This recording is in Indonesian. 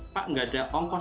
pak tidak ada ongkos